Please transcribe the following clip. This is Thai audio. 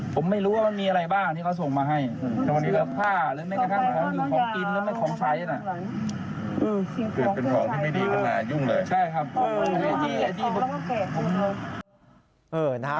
ผมไม่รู้ว่ามันมีอะไรบ้างที่เขาส่งมาให้